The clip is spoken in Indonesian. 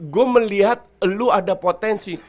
gue melihat lo ada potensi